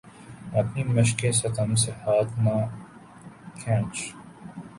اپنی مشقِ ستم سے ہاتھ نہ کھینچ